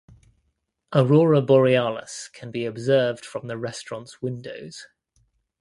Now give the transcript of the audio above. Aurora borealis can be observed from the restaurant’s windows.